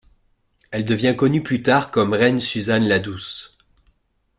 Elle devient connue plus tard comme Reine Susan la Douce.